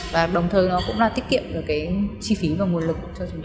và đồng thời cũng tiết kiệm được chi phí và nguồn lực